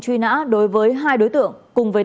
truy nã đối với hai đối tượng cùng với